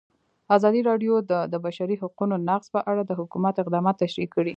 ازادي راډیو د د بشري حقونو نقض په اړه د حکومت اقدامات تشریح کړي.